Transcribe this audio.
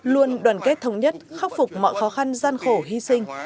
luôn đoàn kết thống nhất khắc phục mọi khó khăn gian khổ hy sinh